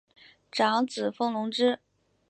长子封隆之。